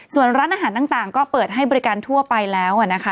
ส่วนร้านอาหารต่างก็เปิดให้บริการทั่วไปแล้วนะคะ